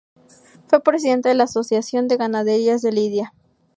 Fue Presidente de la Asociación de Ganaderías de Lidia.